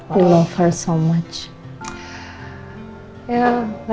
kamu sangat mencintai dia